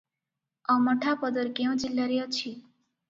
ଅମଠାପଦର କେଉଁ ଜିଲ୍ଲାରେ ଅଛି?